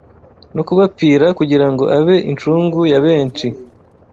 no kubapfira kugira ngo abe incungu ya bensi